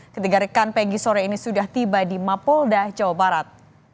ketiga rekan pegi sore ini sudah tiba di mapolda jawa barat